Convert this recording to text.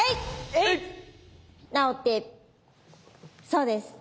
そうです。